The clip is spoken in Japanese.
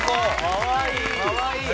かわいい！